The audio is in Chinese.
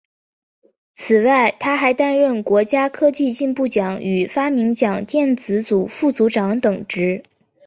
此外他还担任国家科技进步奖与发明奖电子组副组长等职。